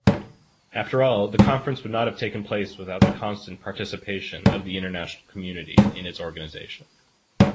After all, the conference would not have taken place without the constant participation of the international community in its organization.